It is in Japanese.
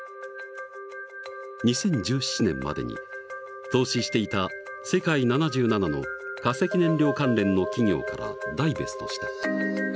２０１７年までに投資していた世界７７の化石燃料関連の企業からダイベストした。